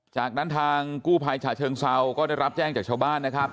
จากนั้นทางกู้ภัยฉะเชิงเซาก็ได้รับแจ้งจากชาวบ้านนะครับ